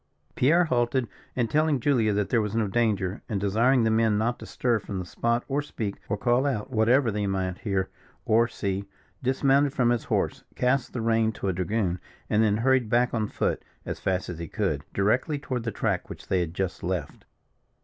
Pierre halted, and telling Julia that there was no danger, and desiring the men not to stir from the spot, or speak, or call out, whatever they might hear or see, dismounted from his horse, cast the rein to a dragoon, and then hurried back on foot, as fast as he could, directly toward the track which they had just left.